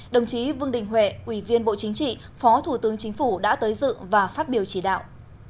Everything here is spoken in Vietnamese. đồng chí vương đình huệ ủy viên bộ chính trị phó thủ tướng chính phủ đã tới dự và phát biểu chỉ đạo